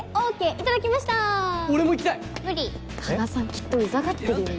きっとウザがってるよね？